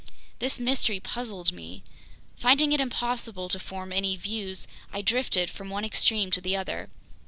This mystery puzzled me. Finding it impossible to form any views, I drifted from one extreme to the other.